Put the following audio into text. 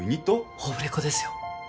オフレコですよ